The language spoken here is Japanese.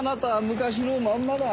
昔のまんまだ。